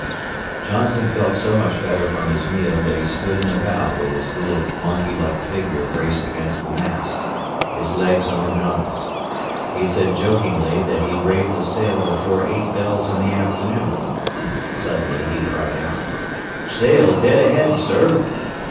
Johnson felt so much better from his meal that he stood in the bow with his little monkey like figure braced against the mast, his legs on the gunwales. He said jokingly that he'd raise a sail before eight bells in the afternoon. Suddenly he cried out: "Sail dead ahead, sir!"